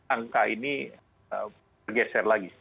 angka ini bergeser lagi